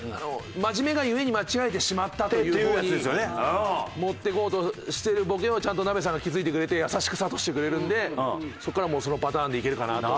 真面目が故に間違えてしまったという方に持っていこうとしてるボケをちゃんとナベさんが気付いてくれて優しく諭してくれるんでそこからもうそのパターンでいけるかなと。